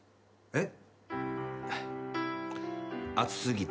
えっ？